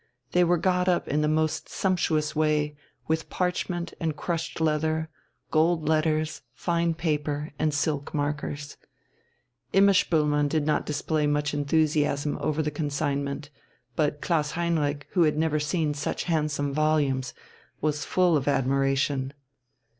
They were got up in the most sumptuous way, with parchment and crushed leather, gold letters, fine paper, and silk markers. Imma Spoelmann did not display much enthusiasm over the consignment, but Klaus Heinrich, who had never seen such handsome volumes, was full of admiration.